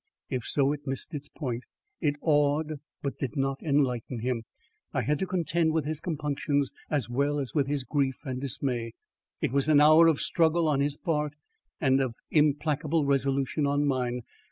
If so, it missed its point. It awed but did not enlighten him. I had to contend with his compunctions, as well as with his grief and dismay. It was an hour of struggle on his part and of implacable resolution on mine.